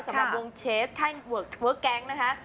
สำหรับวงเชสแทนท์เวิร์กเกงก์นะคะ